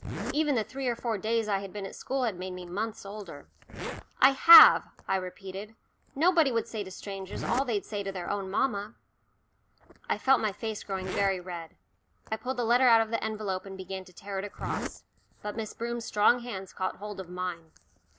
Even the three or four days I had been at school had made me months older. "I have," I repeated. "Nobody would say to strangers all they'd say to their own mamma." I felt my face growing very red; I pulled the letter out of the envelope and began to tear it across. But Miss Broom's strong hands caught hold of mine.